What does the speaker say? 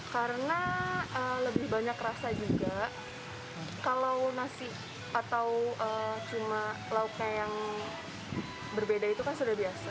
karena lebih banyak rasa juga kalau nasi atau cuma lauknya yang berbeda itu kan sudah biasa